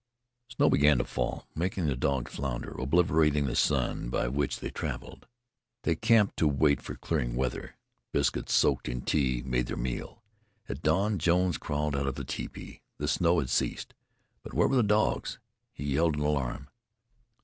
Snow began to fall, making the dogs flounder, obliterating the sun by which they traveled. They camped to wait for clearing weather. Biscuits soaked in tea made their meal. At dawn Jones crawled out of the tepee. The snow had ceased. But where were the dogs? He yelled in alarm.